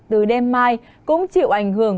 từ đêm mai cũng chịu ảnh hưởng